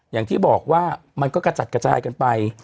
อย่างที่บอกว่ามันก็กระจัดกระจายกันไป